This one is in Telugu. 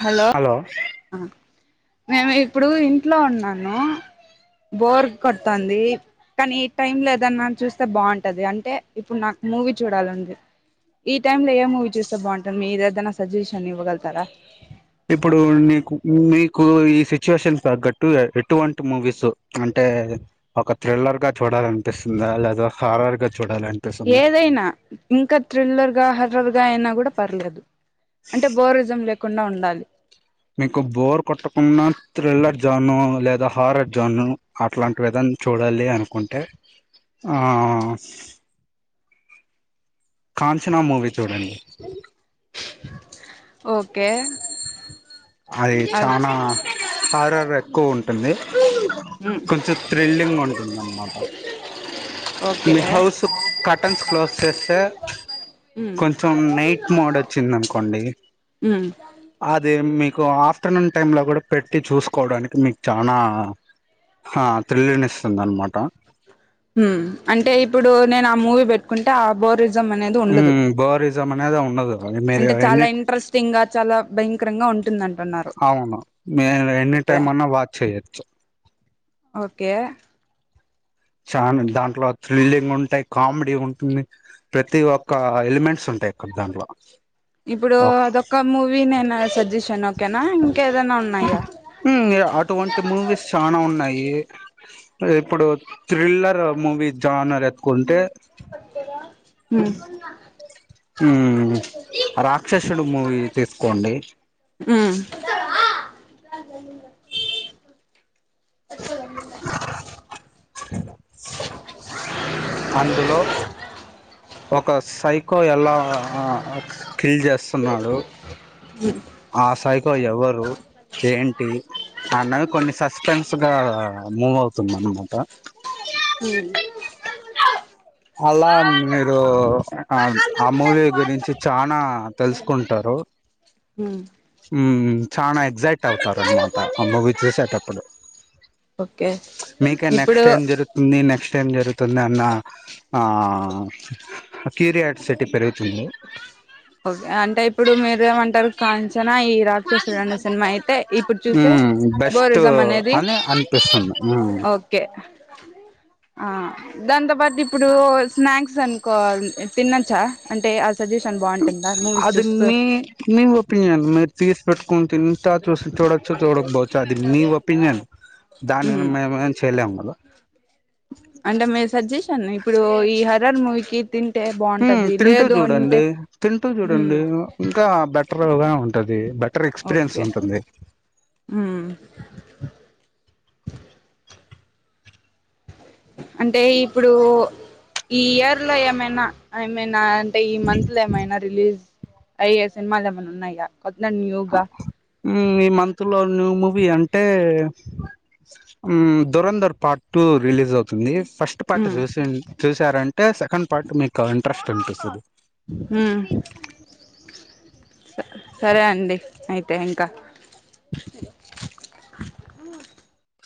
హలో మేము ఇప్పుడు ఇంట్లో ఉన్నాను బోర్ కొడుతంది కానీ ఈ టైమ్ లో ఏదైనా చూస్తే బాగుంటది అంటే ఇప్పుడు నాకు మూవీ చూడాలుంది ఈ టై లో ఏ మూవీ చూస్తే బాగుంటది మీది ఏదైనా సజెషన్ ఇవ్వగల్తారా ఇప్పుడు నీకు మీకు ఈ సిచ్యువేషన్ తగ్గట్టు ఎటువంటి మూవీస్ అంటే ఒక థ్రిల్లర్ గా చూడాలనిపిస్తుందా లేదా హారర్ గా చూడాలనిపిస్తుందా ఏదైనా ఇంకా థ్రిల్లర్ గా హర్రర్ గా అయినా కూడా పర్లేదు అంటే బోరిజం లేక్ కుండా ఉండాలి మీకు బోర్ కొట్టకుంన్న త్రిల్లర్ జాను లే ద హారర్ జోన్ అట్లాంటివేధన చూడాలి అనుకుంటే ఆ కాంచనా మూవీ చూడండి ఓకే అది అద్ చనా హార్రరే క్కువ ఉంటుంది ఉమ్ కొంచెం థ్రిల్లింగ్ ఉంటుంది అన్నమాట ఓకే మీ హౌస్ కటన్స్ క్లోజ్ చేస్తే ఉమ్ కొంచెం నైట్ మోడ్ వచ్చింది అనుకోండి ఉమ్ అది ది మీకు ఆఫ్టర్నూన్ టైమ్ లో కూడా పెట్టి చూసుకోవడానికి మీకు చానా హ త్రిల్లినిస్తుంది అన్నమాట హు అంటే ఇప్పుడు నేను ఆ మూవీ పెట్టుకుంటే ఆ బోరిజ మనేది ఉండదు నేదే ఉండదు మీరు అంటే చాలా ఎన్ని ఇంట్రెస్టింగ్ గా చాలా భయంకరంగా ఉంటుందంటున్నారు అవును మీరు ఎన్ని ఓకే టైమ్ అన్నా వాచ్ చేయొచ్చు ఓకే ఛాన దాంట్లో థ్రిల్లింగ్ ఉంటాయి కామెడీ ఉంటుంది ప్రతి ఒక్క ఎలిమెంట్స్ ఉంటాయి అక్కడ దాంట్లో ఇప్పుడు ఓక్ అదొక మూవీ నేన సజెషన్ ఓకేనా ఇం ఉమ్ య అటువంటి మూవీస్ చానా ఉన్నాయి ఇప్పుడు థ్రిల్లర్ మూవీ జానర్ ఎత్తుకుంటే మ్ రాక్షసుడు ఉమ్ మూవీ తీసుకోండి ఉమ్ అందులో ఒక సై కో ఎలా ఆ కీల్ చేస్తున్నాడు ఆ సైకో ఎవ్వరు ఏంటి అన్నవి కొన్ని సస్పెన్స్ గా మూవ్ అవుతుంది అన్నమాట ఉమ్ అలా మీరు ఆ అ మూవీ గురించి చానా తెలుసుకుంటారు ఉమ్ ఉమ్ చానా ఎగ్జైట్ అవుతారు అనమాట ఆ మూవీ చూసేటప్పుడు ఓకే మీకే ఇప్పుడు నెక్స్ట్ ఏం జరుగుతుంది నెక్స్ట్ ఏం జరుగుతుందన్న ఆ క్యూరియాసిటీ పెరు ఓకే అంటే ఇప్పుడు మీరు ఏమంటారు కాంచన ఈ రాక్షసుడు అనే సినిమా అయితే ఇప్పుడు చూసే బెస్ట్ బోరిజం అనేది అని అనిపిస్తుంది ఓకే ఆ దాన్ కొంత బద్ ఇప్పుడు స్నాక్స్ అనుకో తినచ్చా అంటే అ అది మీ మీ ఒపీనియన్ మీరు తీస్ పెట్టుకొని తిని సా చూసి చూడచ్చు చూడకపోవచ్చు అది నీ ఒపీనియన్ దాని ఉమ్ మేమేం చేయలేం అలా అంటే మీ సజెషన్ ఇప్పుడు ఈ హర్రర్ మూవీకిి తిన్ ఉమ్మ్ తింటూ చూడండి తింటూ ఉమ్ చూడండి ఇంకా బెటర్గానే పది బెట్ ర్ ఎక్స్పీరియన్స్ ఓకే ఉంటుంది ఉమ్ అంటే ఇప్పుడు ఈ ఇయర్ లో ఏమైనా ఏమైనా టే ఈ మంత్ లో ఏమైనా రిలీజ్ అయ్యే సినిమాలు ఏమన్నున్నాయా కొట్లా నివ్ గా మ్మ్ ఈ మంత్ లో న్యూ మూవీ అంటే ఉమ్ ధురంధర్ పార్ట్ టూ రిలీజ్ అవుతుంది ఫస్ట్ పార్ట్ ఉమ్ చూసిన్ చూశారన్ టే సెకండ్ పార్ట్ మీకు ఇంట్రెస్ట్ అనిపిస్తుది హ్మ్ స సరే అండి అయితే ఇంకా